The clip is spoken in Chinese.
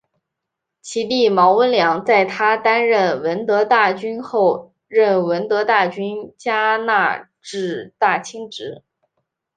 其弟毛温良在她担任闻得大君后任闻得大君加那志大亲职。